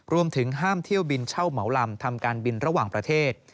รวมถึงห้ามเที่ยวบินเช่าเหมาลำทำการบินระหว่างประเทศ